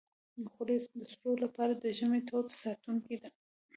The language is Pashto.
خولۍ د سړو لپاره د ژمي تود ساتونکی ده.